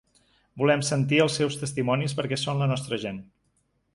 Volem sentir els seus testimonis, perquè són la nostra gent.